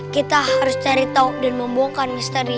kita harus cari tahu dan membawakan misteri